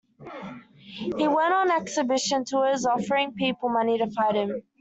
He went on exhibition tours offering people money to fight him.